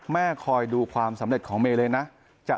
คอยดูความสำเร็จของเมย์เลยนะ